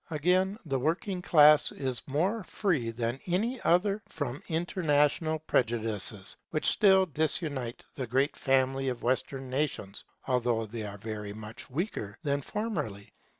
Again, the working class is more free than any other from international prejudices, which still disunite the great family of Western nations, although they are very much weaker than formerly.